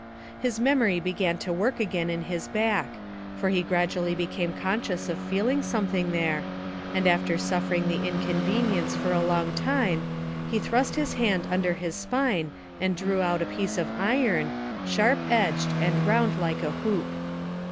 His memory began to work again in his back, for he gradually became conscious of feeling something there, and after suffering the inconvenience for a long time, he thrust his hand under his spine and drew out a piece of iron, sharp edged and round like a hoop.